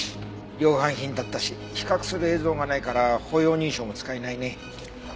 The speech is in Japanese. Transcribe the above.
量販品だったし比較する映像がないから歩容認証も使えないね。